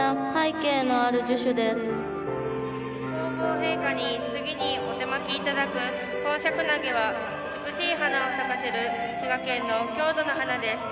皇后陛下に次にお手播きいただくホンシャクナゲは美しい花を咲かせる滋賀県の郷土の花です。